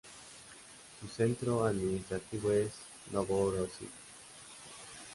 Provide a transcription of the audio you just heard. Su centro administrativo es Novorosíisk.